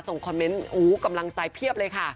คอมเมนต์กำลังใจเพียบเลยค่ะ